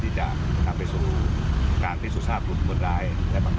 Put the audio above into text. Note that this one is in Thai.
ที่บอกว่ามันเป็นระเบิดเร่งด่วนหมายถึง